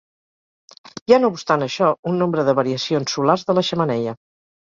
Hi ha no obstant això un nombre de variacions solars de la xemeneia.